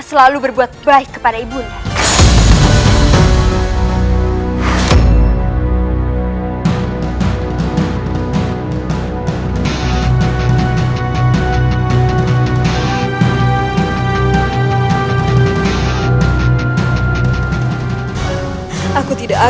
selalu berbuat baik kepada ibu nda